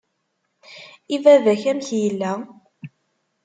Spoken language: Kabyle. I baba-k, amek yella?